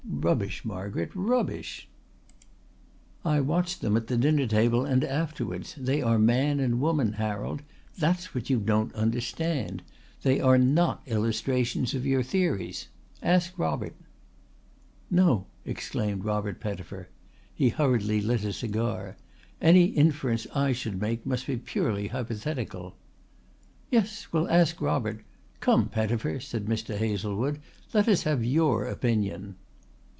"Rubbish, Margaret, rubbish." "I watched them at the dinner table and afterwards. They are man and woman, Harold. That's what you don't understand. They are not illustrations of your theories. Ask Robert." "No," exclaimed Robert Pettifer. He hurriedly lit a cigar. "Any inference I should make must be purely hypothetical." "Yes, we'll ask Robert. Come, Pettifer!" cried Mr. Hazlewood. "Let us have your opinion."